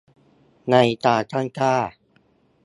ใน การตั้งค่า